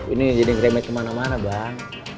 ini jadi ngeremet kemana mana bang